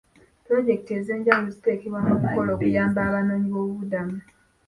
Puloojekiti ez'enjawulo ziteekebwa mu nkola okuyamba abanoonyi b'obubuddamu.